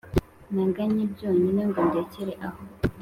ntaganye byonyine ngo ndekere aho.